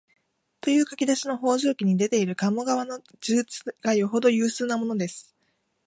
という書き出しの「方丈記」に出ている鴨川の叙述がよほど有数なものです